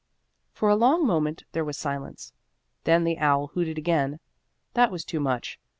For a long moment there was silence. Then the owl hooted again. That was too much.